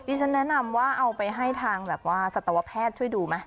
ฉันแนะนำว่าเอาไปให้ทางแบบว่าสัตวแพทย์ช่วยดูไหม